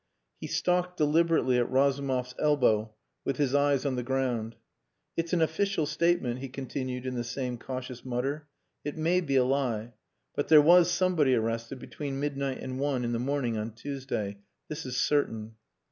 He stalked deliberately at Razumov's elbow with his eyes on the ground. "It's an official statement," he continued in the same cautious mutter. "It may be a lie. But there was somebody arrested between midnight and one in the morning on Tuesday. This is certain."